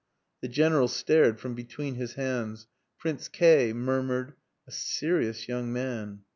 The General stared from between his hands. Prince K murmured "A serious young man.